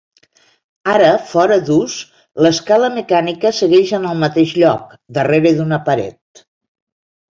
Ara fora d'ús, l'escala mecànica segueix en el mateix lloc, darrere d'una paret.